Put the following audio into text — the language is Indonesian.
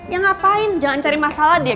ya ngapain jangan cari masalah deh